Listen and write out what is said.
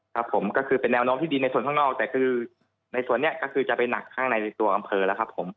ครับผมก็คือเป็นแนวโน้มที่ดีในส่วนข้างนอกแต่คือในส่วนนี้ก็คือจะไปหนักข้างในในตัวอำเภอแล้วครับผม